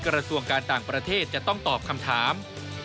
กระทรวงการต่างประเทศจะต้องตอบคำถาม